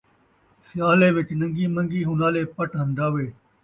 سیالے وِچ نن٘گی من٘گی ، ہنالے پٹ ہن٘ڈاوے